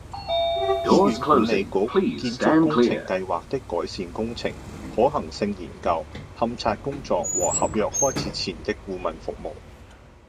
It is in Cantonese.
醫院管理局－建築工程計劃的改善工程、可行性研究、勘測工作和合約開始前的顧問服務